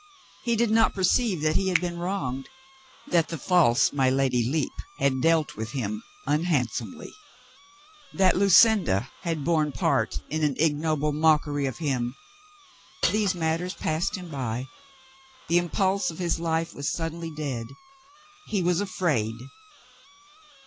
He did not perceive that he had been wronged. That the false my Lady Lepe had dealt with him unhandsomely; that Lucinda had borne part in an ignoble mockery of him — these matters passed him by. The impulse of his life was sud denly dead. He was afraid.